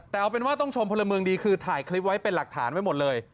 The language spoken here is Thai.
แต่เอาเป็นว่าต้องชมพลเมืองดีคือถ่ายคลิปไว้เป็นหลักฐานไว้หมดเลย